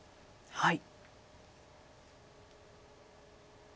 はい。